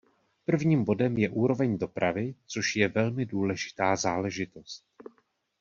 Prvním bodem je úroveň dopravy, což je velmi důležitá záležitost.